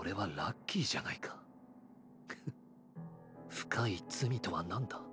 深い罪とは何だ？